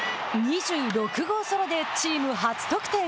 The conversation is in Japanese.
２６号ソロでチーム初得点。